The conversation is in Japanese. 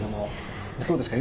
どうですか？